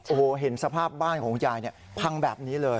โอ้โหเห็นสภาพบ้านของยายพังแบบนี้เลย